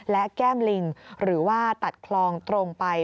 และแก้มลิงหรือว่าตัดคลองตรงไป